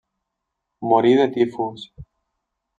Morí de tifus.